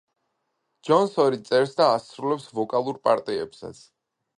ჯონსონი წერს და ასრულებს ვოკალურ პარტიებსაც.